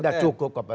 tidak cukup kompeten